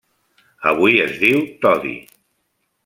Avui es diu Todi.